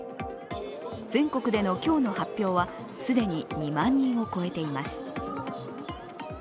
全国での今日の発表は既に２万人を超えています。